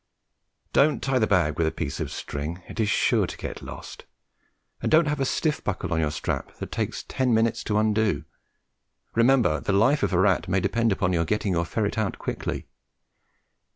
Don't tie the bag with a piece of string it is sure to get lost; and don't have a stiff buckle on your strap that takes ten minutes to undo. Remember the life of a rat may depend upon your getting your ferret out quickly.